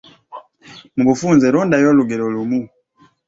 Mu bufunze londayo olugero lumu.